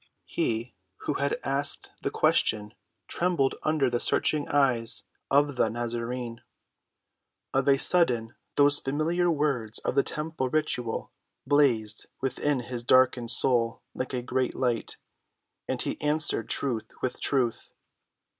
He who had asked the question trembled under the searching eyes of the Nazarene. Of a sudden those familiar words of the temple ritual blazed within his darkened soul like a great light. And he answered truth with truth.